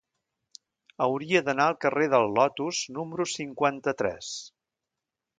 Hauria d'anar al carrer del Lotus número cinquanta-tres.